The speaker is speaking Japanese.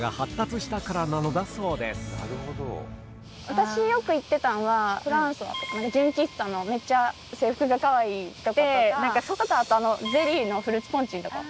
私よく行ってたんはフランソアって純喫茶のめっちゃ制服がかわいいとことかそれとかあとゼリーのフルーツポンチのとこ。